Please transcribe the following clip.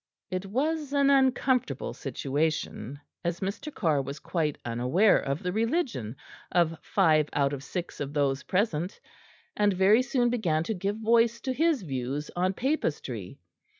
It was an uncomfortable situation, as Mr. Carr was quite unaware of the religion of five out of six of those present, and very soon began to give voice to his views on Papistry.